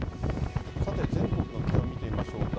さて全国の気温見てみましょうか。